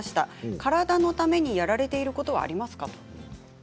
体のためにやられていることはありますか？